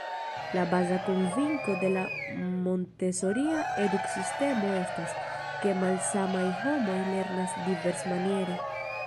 La baza konvinko de la Montesoria eduk-sistemo estas, ke malsamaj homoj lernas diversmaniere.